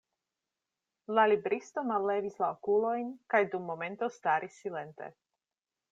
La libristo mallevis la okulojn kaj dum momento staris silente.